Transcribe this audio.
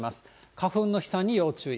花粉の飛散に要注意。